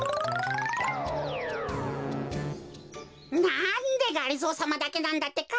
なんでがりぞーさまだけなんだってか？